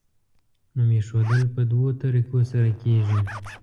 نوم ایښودل په دوو طریقو سره کیږي.